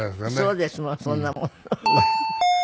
そうですもんそんなもん。